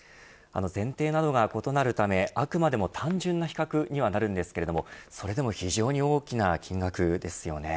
前提などが異なるためあくまでも単純な比較にはなるんですけれどそれでも非常に大きな金額ですよね。